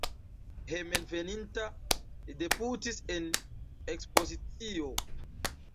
Hejmenveninta li debutis en ekspozicio.